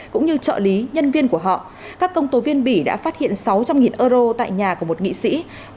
cũng như trợ lý nhân viên của họ các công tố viên bỉ đã phát hiện sáu trăm linh euro tại nhà của một nghị sĩ